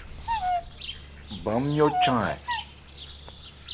Ban ńmyɔ́ chan ɛ ?